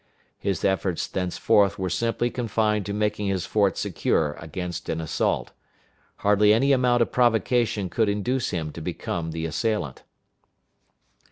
His efforts thenceforth were simply confined to making his fort secure against an assault. Hardly any amount of provocation could induce him to become the assailant.